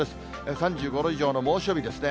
３５度以上の猛暑日ですね。